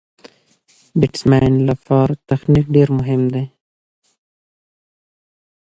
د بېټسمېن له پاره تخنیک ډېر مهم دئ.